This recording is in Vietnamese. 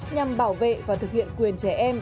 nhằm bảo vệ và thực hiện quyền trẻ em